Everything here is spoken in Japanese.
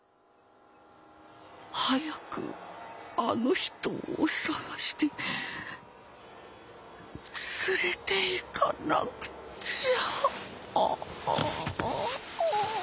「早くあの人を捜して連れていかなくちゃ。ああ」。